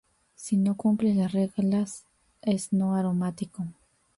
Si no cumple las reglas es no aromático.